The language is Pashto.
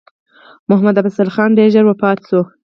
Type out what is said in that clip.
محمدافضل خان ډېر ژر وفات شو.